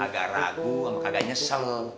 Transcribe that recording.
agak ragu sama agak nyesel